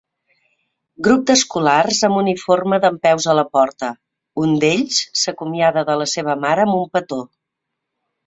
Grup d'escolars amb uniforme dempeus a la porta; un d'ells s'acomiada de la seva mare amb un petó.